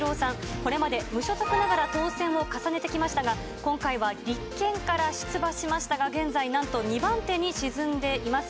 これまで無所属ながら当選を重ねてきましたが、今回は立憲から出馬しましたが、現在なんと２番手に沈んでいます。